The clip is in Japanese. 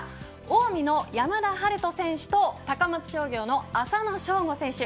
近江の山田陽翔選手と高松商業の浅野翔吾選手